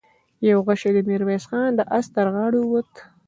يو غشۍ د ميرويس خان د آس تر غاړې ووت.